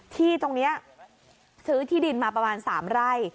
ที่ตรงนี้ซื้อที่ดินมาประมาณ๓ไร่